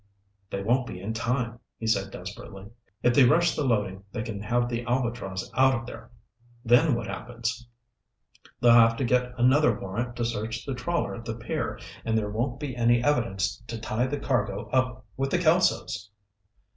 "They won't be in time," he said desperately. "If they rush the loading, they can have the Albatross out of there. Then what happens? They'll have to get another warrant to search the trawler at the pier, and there won't be any evidence to tie the cargo up with the Kelsos!"